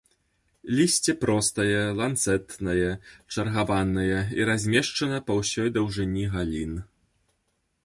Лісце простае, ланцэтнае, чаргаванае і размешчана па ўсёй даўжыні галін.